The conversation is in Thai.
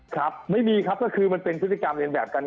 ครับไม่มีครับก็คือมันเป็นพฤติกรรมเรียนแบบกัน